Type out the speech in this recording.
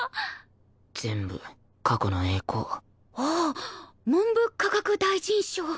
全部過去の栄光お文部科学大臣賞。